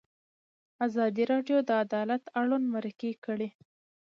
ازادي راډیو د عدالت اړوند مرکې کړي.